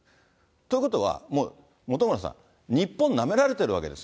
ということは、本村さん、日本、なめられてるわけです。